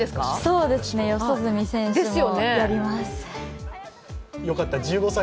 そうですね、四十住選手もやります。